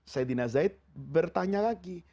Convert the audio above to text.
saidina zaid bertanya lagi